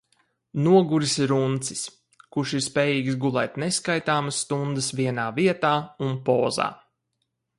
Noguris runcis, kurš ir spējīgs gulēt neskaitāmas stundas vienā vietā un pozā.